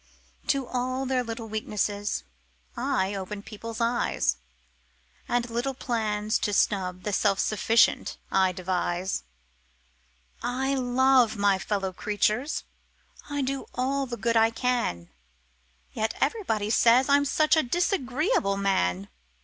To all their little weaknesses I open people's eyes And little plans to snub the self sufficient I devise; I love my fellow creatures I do all the good I can Yet everybody say I'm such a disagreeable man!